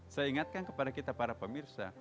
saya ingatkan kepada kita para pemirsa